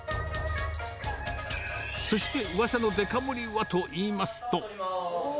そして、うわさのデカ盛りはといいますと。